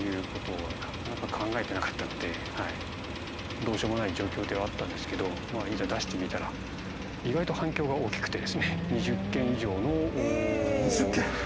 どうしようもない状況ではあったんですけどいざ出してみたら意外と反響が大きくてですね。